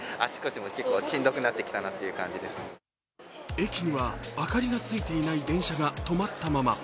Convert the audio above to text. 駅には明かりがついていない電車が止まったまま。